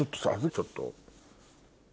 ちょっと。